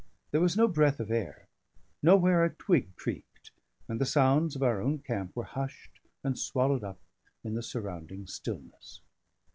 There was no breath of air; nowhere a twig creaked; and the sounds of our own camp were hushed and swallowed up in the surrounding stillness.